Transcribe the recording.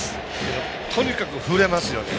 とにかく、振れますよね。